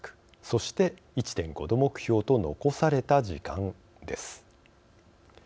そして１．５℃目標と残された時間です。